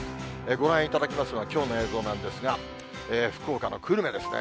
ご覧いただきますのは、きょうの映像なんですが、福岡の久留米ですね。